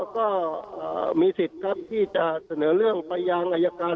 ก็มีสิทธิ์ครับที่จะเสนอเรื่องไปยังอายการ